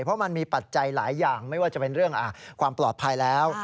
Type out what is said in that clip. เพราะมันมีปัจจัยหลายอย่างไม่ว่าจะเป็นเรื่องความปลอดภัยแล้ว